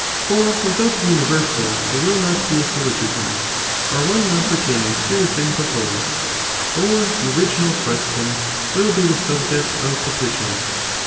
innU for without the universal there will not be asyllo '^"'(Prdori 8'^™i or one not pertaining to the thing propased, or the original (question) will be the subject of petition.